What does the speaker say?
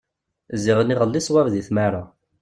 Ziɣen iɣelli swab deg tmara.